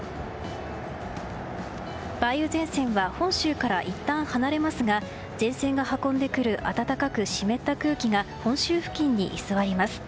梅雨前線は本州からいったん離れますが前線が運んでくる暖かく湿った空気が本州付近に居座ります。